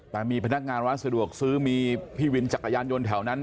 แต่มีพนักงานร้านสะดวกซื้อมีพี่วินจักรยานยนต์แถวนั้น